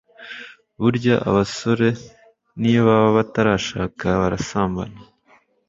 Burya abasore n'iyo baba batarashaka barasambana